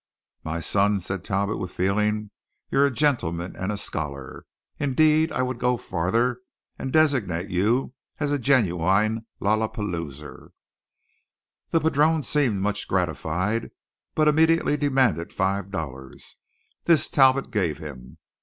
"My son," said Talbot with feeling, "you're a gentleman and a scholar; indeed, I would go farther and designate you as a genuine lallapaloozer!" The padrone seemed much gratified; but immediately demanded five dollars. This Talbot gave him.